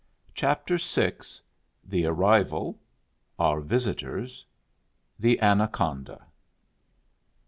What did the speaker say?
CHAPTER VI. THE ARRIVAL. — OUR VISITORS. — THE ANACONDA.